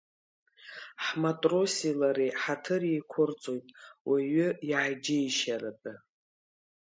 Ҳматроси лареи ҳаҭыр еиқәырҵоит уаҩы иааџьеишьаратәы…